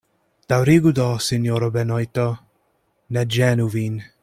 Daŭrigu do, sinjoro Benojto; ne ĝenu vin.